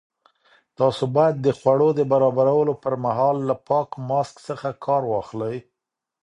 تاسو باید د خوړو د برابرولو پر مهال له پاک ماسک څخه کار واخلئ.